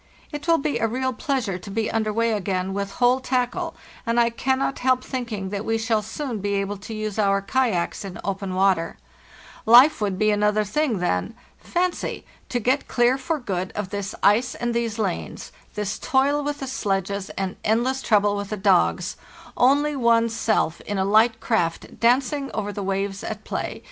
It will be a real pleasure to be under way again with whole tackle, and I cannot help thinking that we shall soon be able to use our kayaks in open water. Life would be 246 FARTHESTD NORTH another thing then! Fancy, to get clear for good of this ice and these lanes, this toil with the sledges and endless trouble with the dogs, only one's self in a hght craft danc ing over the waves at play!